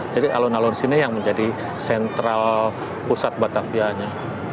jadi alun alun sini yang menjadi sentral pusat batavia nya